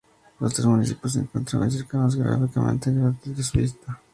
Los tres municipios se encuentran muy cercanos geográficamente, lo que facilita su visita.